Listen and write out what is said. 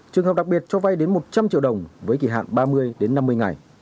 trường hợp đặc biệt cho vay đến một trăm linh triệu đồng với kỳ hạn ba mươi đến năm mươi ngày